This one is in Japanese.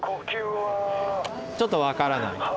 ちょっとわからない？